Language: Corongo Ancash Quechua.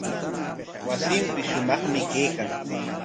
Wasinpis shumaqmi kaykan.